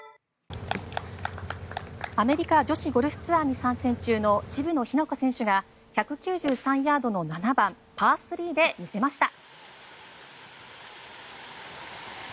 アメリカ女子ゴルフツアーに参戦中の渋野日向子選手が１９３ヤードの７番、パー３で見せました。